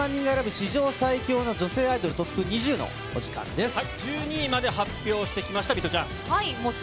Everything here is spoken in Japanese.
史上最強の女性アイドルＴＯＰ２０のお時間です。